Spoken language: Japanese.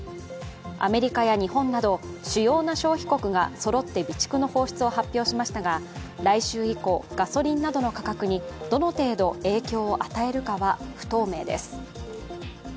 アメリカや日本など、主要な消費国がそろって備蓄の放出を発表しましたが来週以降、ガソリンなどの価格にどの程度影響を与えるかは不透明です。